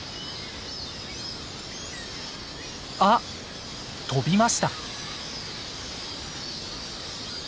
あっ飛びました。